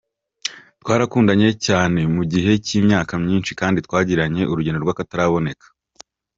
Twarakundanye cyane mu gihe cy’imyaka myinshi kandi twagiranye urugendo rw’akataraboneka.